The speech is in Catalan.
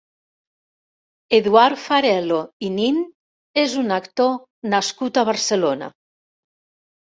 Eduard Farelo i Nin és un actor nascut a Barcelona.